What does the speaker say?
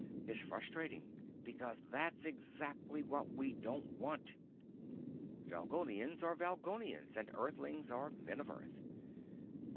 It's frustrating, because that's exactly what we don't want. Valgolians are Valgolians and Earthlings are men of Earth.